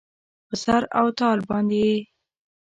په سر او تال باندې یې